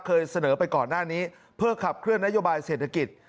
เคยเสนอไปก่อนหน้านี้เพื่อขับเคลื่อนนโยบายเศรษฐกิจ